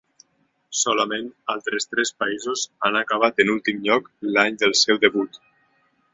Solament altres tres països han acabat en últim lloc l'any del seu debut.